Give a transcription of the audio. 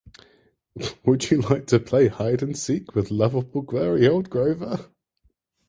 Would You Like To Play Hide and Seek with Lovable, Furry Old Grover?